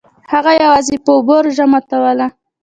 هغه یوازې په اوبو روژه ماتوله.